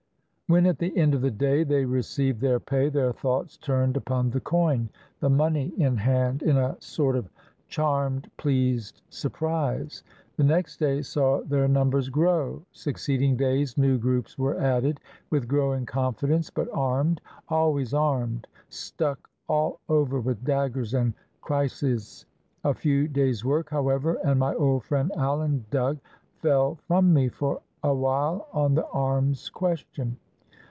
When at the end of the day they received their pay, their thoughts turned upon the coin, the money in 547 ISLANDS OF THE PACIFIC hand, in a sort of charmed, pleased surprise. The next day saw their numbers grow; succeeding days new groups were added, with growing confidence, but armed, always armed, stuck all over with daggers and krises. A few days' work, however, and my old friend, Alandug, fell from me for a while on the arms question.